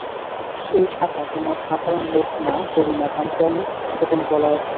এই খাঁচা কোনো সাধারণ লোক না যদি না খামখেয়ালি ও কোনো পলায়ক ছাড়া।